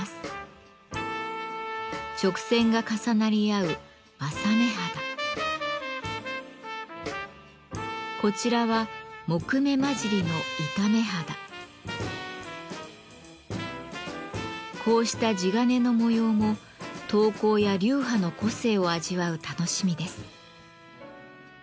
直線が重なり合うこちらはこうした地鉄の模様も刀工や流派の個性を味わう楽しみです。